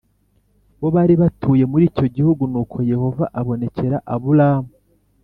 bo bari batuye muri icyo gihugu Nuko Yehova abonekera Aburamu